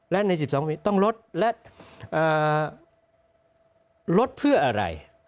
และใน๑๒ปีต้องลดและลดเพื่ออะไร